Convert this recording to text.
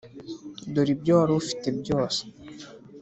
dore ibyo wari ufite byose,